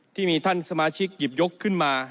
ที่มีท่านสมาชิกหยิบยกขึ้นมา